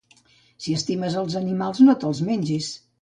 Si t'estimes els animals, no te'ls mengis.